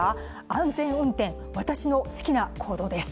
「安全運転私の好きな行動です」